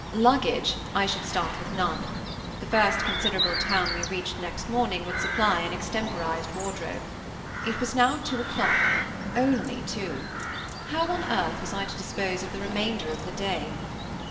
Luggage, I should start with none. The first considerable town we reached next morning, would supply an extemporized wardrobe. It was now two o'clock; only two! How on earth was I to dispose of the remainder of the day?